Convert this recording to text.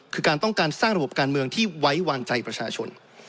คือการต้องการสร้างระบบการเมืองที่ไว้วางใจประชาชน